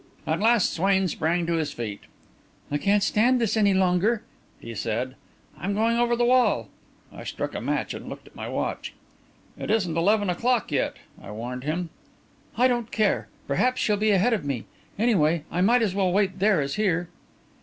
At last Swain sprang to his feet. "I can't stand this any longer," he said. "I'm going over the wall." I struck a match and looked at my watch. "It isn't eleven o'clock yet," I warned him. "I don't care. Perhaps she'll be ahead of time. Anyway, I might as well wait there as here."